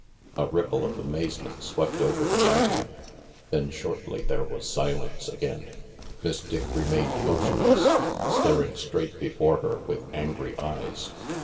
A ripple of amazement swept over the gathering, then shortly there was silence again. Miss Dick remained motionless, staring straight before her with angry eyes.